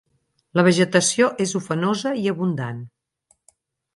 La vegetació és ufanosa i abundant.